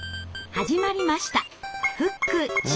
始まりました